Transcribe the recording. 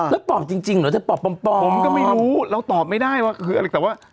อ๋อแล้วปอบจริงหรือแบบปอบปำปำผมก็ไม่รู้เราตอบไม่ได้ว่าคือแต่ว่า